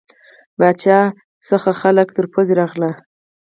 پاچا څخه خلک تر پوزې راغلي.